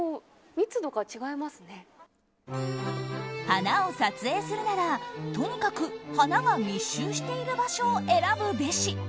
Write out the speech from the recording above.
花を撮影するならとにかく花が密集している場所を選ぶべし。